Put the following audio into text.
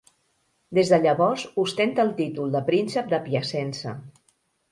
Des de llavors ostenta el títol de Príncep de Piacenza.